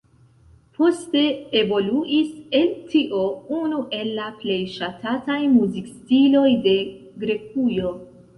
Poste evoluis el tio unu el la plej ŝatataj muzikstiloj de Grekujo.